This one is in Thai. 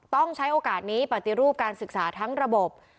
ต้องใช้โอกาสนี้ปฏิรูปการศึกษาทั้งระบบ